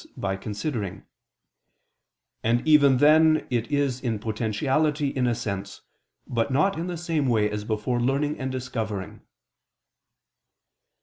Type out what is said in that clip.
by considering: "and even then it is in potentiality in a sense; but not in the same way as before learning and discovering."